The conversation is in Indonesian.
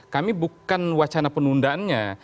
kami bukan wacana penundaannya